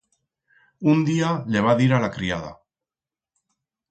Un día le va dir a la criada.